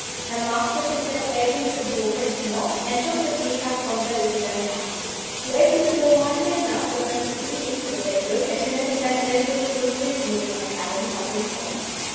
Her master, she said, opened the door when she knocked, and took the tea cup from her with his own hand. He opened the door widely enough for her to see into the bedroom, and to notice that nobody was with Mrs. Macallan but himself.